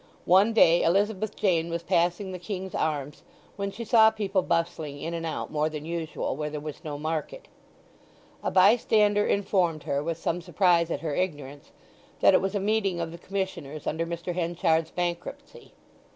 One day Elizabeth Jane was passing the King's Arms, when she saw people bustling in and out more than usual where there was no market. A bystander informed her, with some surprise at her ignorance, that it was a meeting of the Commissioners under Mr. Henchard's bankruptcy.